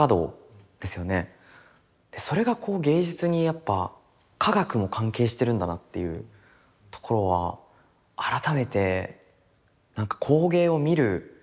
それがこう芸術にやっぱ化学も関係してるんだなっていうところは改めてなんか工芸を見る視点が広がった感じはしましたね。